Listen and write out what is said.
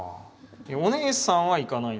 お姉さんは行かない？